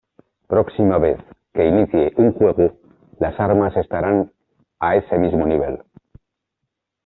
Próxima vez que inicie un juego, las armas estarán a ese mismo nivel.